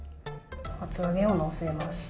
厚揚げをのせました。